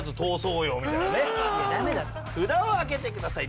札をあげてください。